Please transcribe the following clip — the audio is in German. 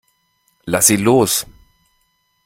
Lass sie los.